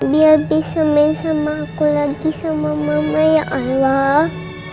biar bisa main sama aku lagi sama mama ya allah